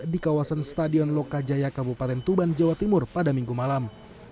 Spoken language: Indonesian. di kawasan stadion lokajaya kabupaten tuban jawa timur pada minggu malam